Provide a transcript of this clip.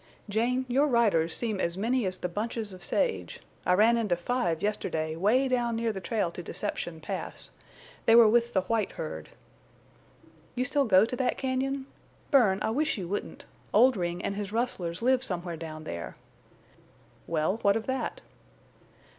"Jane, your riders seem as many as the bunches of sage. I ran into five yesterday 'way down near the trail to Deception Pass. They were with the white herd." "You still go to that cañon? Bern, I wish you wouldn't. Oldring and his rustlers live somewhere down there." "Well, what of that?"